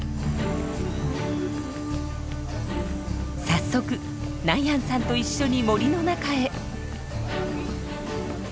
早速ナヤンさんと一緒に森の中へ。